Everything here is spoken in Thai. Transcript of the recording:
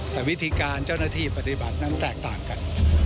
แต่วิธีการเจ้าหน้าที่ปฏิบัตินั้นแตกต่างกัน